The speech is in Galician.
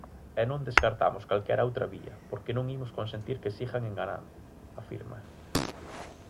"E non descartamos calquera outra vía, porque non imos consentir que sigan enganando", afirma.